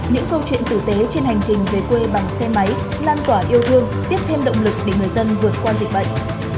những câu chuyện tử tế trên hành trình về quê bằng xe máy lan tỏa yêu thương tiếp thêm động lực để người dân vượt qua dịch bệnh